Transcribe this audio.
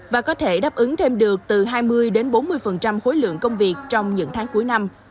và có thể đáp ứng thêm được từ hai mươi bốn mươi khối lượng công việc trong những tháng cuối năm